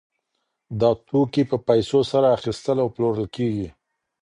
دا توکي په پیسو سره اخیستل او پلورل کیږي.